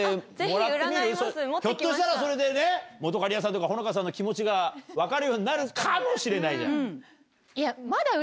ひょっとしたらそれでね本仮屋さんとかほのかさんの気持ちが分かるようになるかもしれないじゃん。